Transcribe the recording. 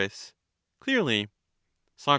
Clearly. Soc.